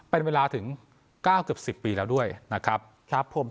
เป็นเวลาถึงเก้าเกือบสิบปีแล้วด้วยนะครับครับผม